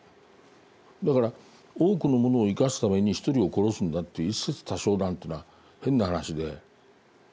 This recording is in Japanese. だから多くのものを生かすために一人を殺すんだっていう一殺多生なんていうのは変な話で。